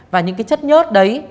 và những chất nhớt đấy